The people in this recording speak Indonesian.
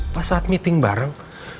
pas saat meeting bareng